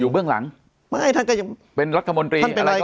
อยู่เบื้องหลังท่านเป็นอะไรก็ได้